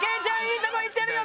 いいとこいってるよ